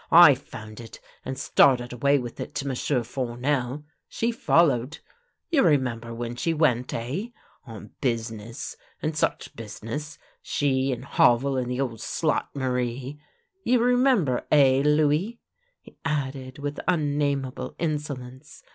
I found it, and started away with it to M'sieu' Fournel. She followed. You remember when she went — eh? On business — and such business — she and Havel and the old slut, Marie. You remember, eh, Louis? " he added with unnamable insolence.